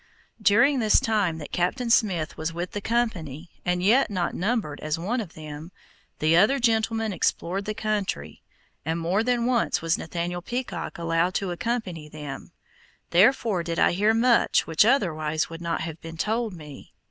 During this time that Captain Smith was with the company and yet not numbered as one of them, the other gentlemen explored the country, and more than once was Nathaniel Peacock allowed to accompany them, therefore did I hear much which otherwise would not have been told me.